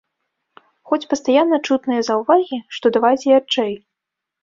Хоць пастаянна чутныя заўвагі, што давайце ярчэй.